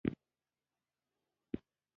د څلورو فصلونو هیواد دی.